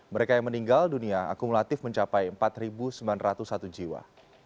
mereka yang meninggal dunia akumulatif mencapai empat sembilan ratus satu jiwa